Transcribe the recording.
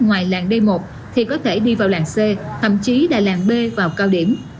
ngoài làng d một thì có thể đi vào làng c thậm chí tại làng b vào cao điểm